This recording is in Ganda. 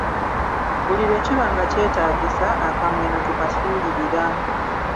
Buli lwe kiba nga kyetaagisa, akamweno tokasuulirira.